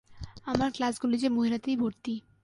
আমার ক্লাসগুলি যে মহিলাতেই ভর্তি।